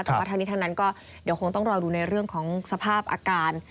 แต่ว่าทั้งนี้ทั้งนั้นก็เดี๋ยวคงต้องรอดูในเรื่องของสภาพอาการ